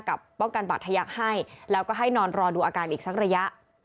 ป้องกันบาดทะยักษ์ให้แล้วก็ให้นอนรอดูอาการอีกสักระยะ